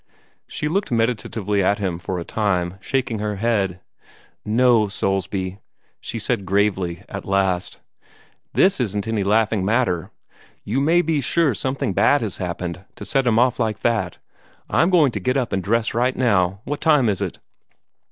She looked meditatively at him for a time, shaking her head. "No, Soulsby," she said gravely, at last. "This isn't any laughing matter. You may be sure something bad has happened, to set him off like that. I'm going to get up and dress right now. What time is it?"